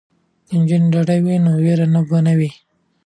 که نجونې ډاډه وي نو ویره به نه وي.